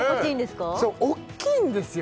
すごい大きいんですよ